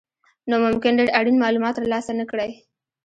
نو ممکن ډېر اړین مالومات ترلاسه نه کړئ.